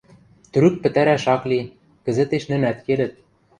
Трӱк пӹтӓрӓш ак ли, кӹзӹтеш нӹнӓт келӹт.